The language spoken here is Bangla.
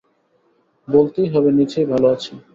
বলতেই হবে নিচেই ভালো আছি।